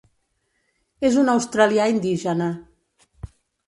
És un australià indígena.